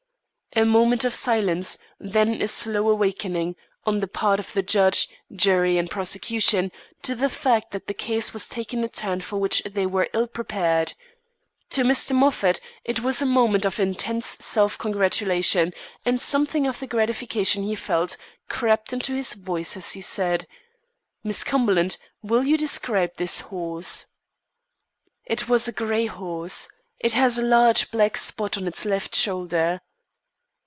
A moment of silence; then a slow awakening on the part of judge, jury, and prosecution to the fact that the case was taking a turn for which they were ill prepared. To Mr. Moffat, it was a moment of intense self congratulation, and something of the gratification he felt crept into his voice as he said: "Miss Cumberland, will you describe this horse?" "It was a grey horse. It has a large black spot on its left shoulder."